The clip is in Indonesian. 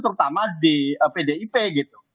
terutama di pdip gitu